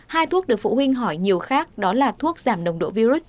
hai thuốc được phụ huynh hỏi nhiều khác đó là thuốc giảm nồng độ virus